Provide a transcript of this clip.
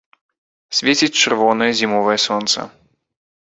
Свеціць чырвонае зімовае сонца.